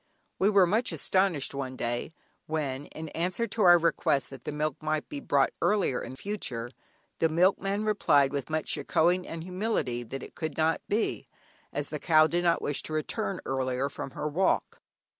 We were much astonished one day, when, in answer to our request that the milk might be brought earlier in future, the milkman replied with much "shekkohing" and humility that it could not be, as the cow did not wish to return earlier from her walk.